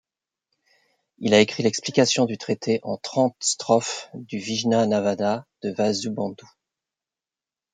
Il a écrit l'Explication du traité en trente strophes du Vijñânavâda de Vasubandhu.